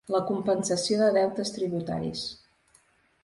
La compensació de deutes tributaris.